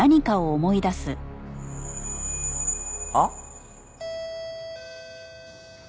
あっ！